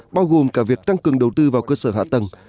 bao gồm cả việc tăng cường đầu tư vào cơ sở hạ tầng